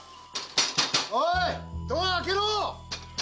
おいドア開けろ！